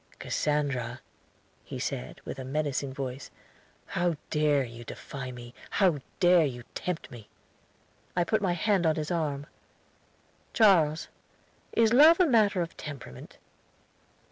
"Cassandra," he said, with a menacing voice, "how dare you defy me? How dare you tempt me?" I put my hand on his arm. "Charles, is love a matter of temperament?"